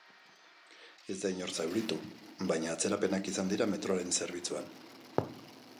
Ez da inor zauritu, baina atzerapenak izan dira metroaren zerbitzuan.